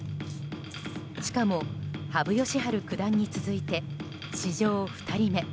しかも、羽生善治九段に続いて史上２人目。